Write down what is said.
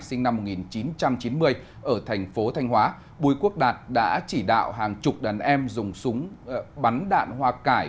sinh năm một nghìn chín trăm chín mươi ở thành phố thanh hóa bùi quốc đạt đã chỉ đạo hàng chục đàn em dùng súng bắn đạn hoa cải